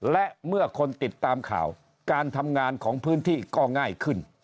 และเมื่อคนติดตามข่าวการทำงานของพื้นที่ก็ง่ายขึ้น